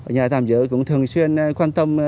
nhà tạm giữ cũng thường xuyên quan tâm